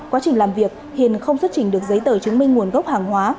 quá trình làm việc hiền không xuất trình được giấy tờ chứng minh nguồn gốc hàng hóa